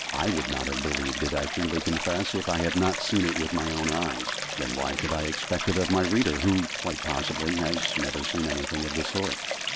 I would not have believed it, I freely confess, if I had not seen it with my own eyes: then why should I expect it of my reader, who, quite possibly, has never seen anything of the sort?